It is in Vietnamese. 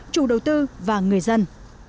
chủ đầu tư và người dân